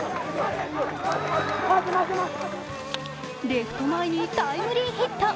レフト前にタイムリーヒット。